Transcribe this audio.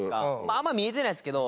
あんま見えてないですけど。